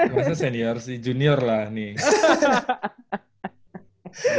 maksudnya senior sih junior lah nih